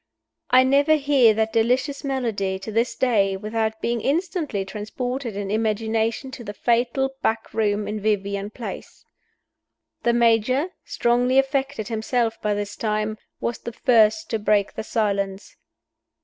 I never hear that delicious melody, to this day, without being instantly transported in imagination to the fatal back room in Vivian Place. The Major strongly affected himself by this time was the first to break the silence.